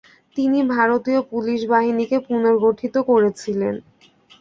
তিনি ভারতীয় পুলিশ বাহিনীকে পুনর্গঠিত করেছিলেন।